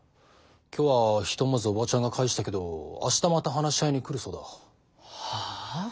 今日はひとまずオバチャンが帰したけど明日また話し合いに来るそうだ。はあ！？